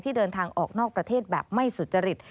เดินทางออกนอกประเทศแบบไม่สุจริต